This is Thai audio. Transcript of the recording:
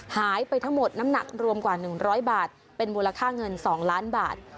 หายไปทั้งหมดน้ำหนักรวมกว่า๑๐๐บาทเป็นมูลค่าเงิน๒ล้านบาท